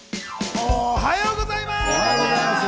おはようございます。